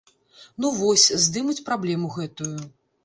Ну вось, здымуць праблему гэтую.